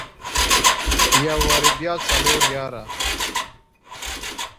يو واري بيا څلور ياره.